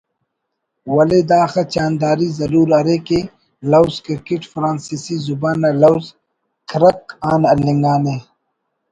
ولے داخہ چاہنداری ضرور ارے کہ لوز ”کرکٹ“ فرانسیسی زبان نا لوز ”کرک“ آن ہلنگانے